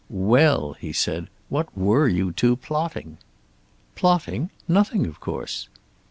"Well?" he said. "What were you two plotting?" "Plotting? Nothing, of course."